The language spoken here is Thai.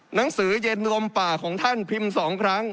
หนังสือเย็นลมป่าของท่านพิมพ์๒ครั้ง